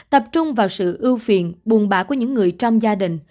tập trung vào sự ưu phiền buồn bã của những người trong gia đình